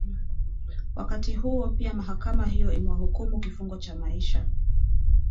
wakati huo pia mahakama hiyo imewahukumu kifungo cha maisha